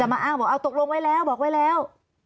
แต่มาอ้างบอกเอาตกลงไว้แล้วบอกไว้แล้ว